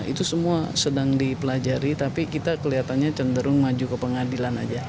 itu semua sedang dipelajari tapi kita kelihatannya cenderung maju ke pengadilan aja